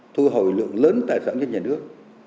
thu hồi lượng lớn tài sản cho nhà nước